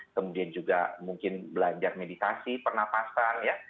kemudian juga mungkin belajar meditasi pernafasan ya